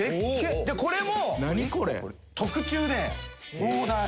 これも。何？